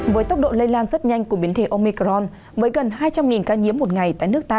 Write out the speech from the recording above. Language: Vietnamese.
với tốc độ lây lan rất nhanh của biến thể omicron với gần hai trăm linh ca nhiễm một ngày tại nước ta